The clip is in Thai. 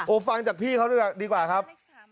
โอบฟังจากพี่เขาดีกว่าครับ